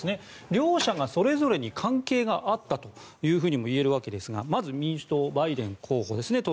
両社がそれぞれに関係があったというふうにも言えるわけですがまず民主党の当時、バイデン候補ですね。